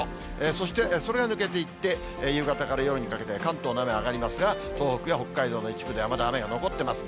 そして、それが抜けていって、夕方から夜にかけて、関東の雨、上がりますが、東北や北海道の一部ではまだ雨が残ってます。